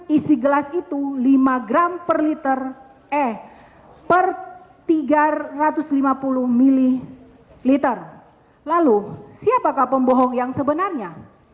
isi gelas itu lima gram per liter eh per tiga ratus lima puluh ml lalu siapakah pembohong yang sebenarnya